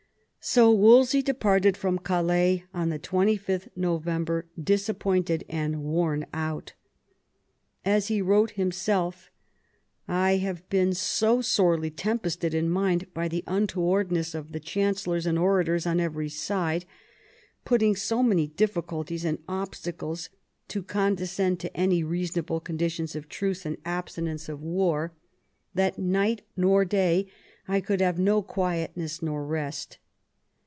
So Wolsey departed from Calais on 26th November, disappointed and worn out. As he wrote himself, " I have been so sore tempested in mind by the untowardness of the chancellors and orators on every side, putting so many difficulties and obstacles to condescend to any reasonable conditions of truce and abstinence of war, V THE CONFERENCE OF CALAIS 81 that night nor day I could have no quietness nor rest."